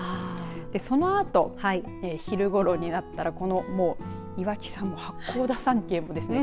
そのあと昼ごろになったらこの、もう岩木山も八甲田山系もですね